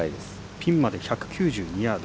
ピンまで１９２ヤード。